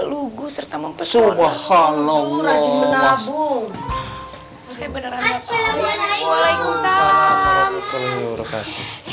lugu serta mempercaya allah allah bu mu hai beneran assalamualaikum warahmatullah